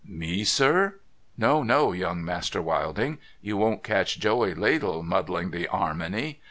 ' Me, sir ? No, no. Young Master Wilding, you won't catch Joey Ladle muddling the Armony.